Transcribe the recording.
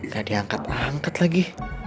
gak diangkat angkat lagi